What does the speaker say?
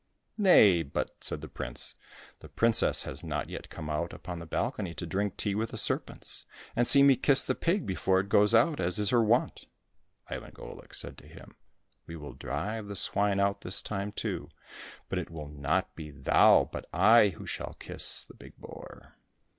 " Nay, but," said the prince, " the princess has not yet come out upon the balcony to drink tea with the serpents, and see me kiss the pig before it goes out, as is her wont." Ivan Golik said to him, " We will drive the swine out this time too, but it will not be thou but I who shall kiss the big boar."